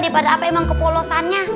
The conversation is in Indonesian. daripada apa emang kepolosannya